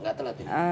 nggak telat ya